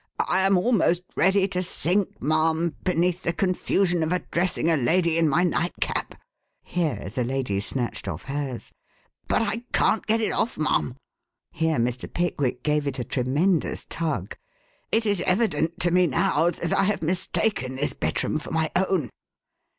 "I am almost ready to sink, ma'am, beneath the confusion of addressing a lady in my nightcap (here the lady snatched off hers) but I can't get it off, ma'am! (here Mr. Pickwick gave it a tremendous tug). It is evident to me now that I have mistaken this bedroom for my own."